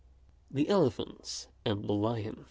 THE ELEPHANTS AND THE LION.